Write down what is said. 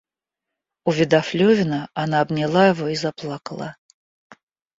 Увидав Левина, она обняла его и заплакала.